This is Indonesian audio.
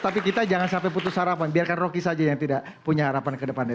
tapi kita jangan sampai putus harapan biarkan rocky saja yang tidak punya harapan ke depannya